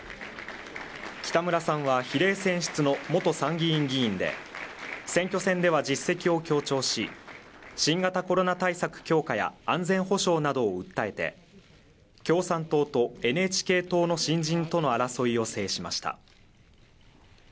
北村さんは、比例選出の元参議院議員で選挙戦では、実績を強調し、新型コロナ対策強化や安全保障などを訴えて、共産党とＮＨＫ党の新人との争いを制しました。